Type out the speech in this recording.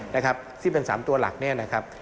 นะครับซึ่งเป็นสามตัวหลักเนี่ยนะครับ